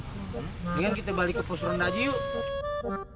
bang ingin kita balik ke posturant aja yuk